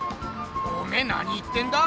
おめえ何言ってんだ？